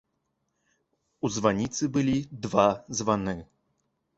У званіцы былі два званы.